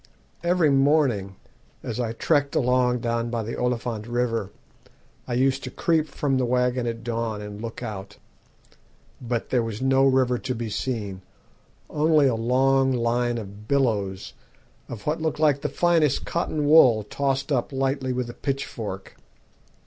Every morning, as I trekked along down by the Oliphant River, I used to creep from the waggon at dawn and look out. But there was no river to be seen only a long line of billows of what looked like the finest cotton wool tossed up lightly with a pitchfork.